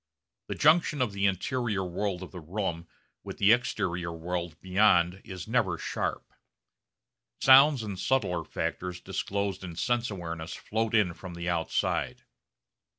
The junction of the interior world of the room with the exterior world beyond is never sharp. Sounds and subtler factors disclosed in sense awareness float in from the outside.